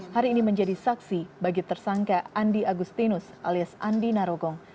hari ini menjadi saksi bagi tersangka andi agustinus alias andi narogong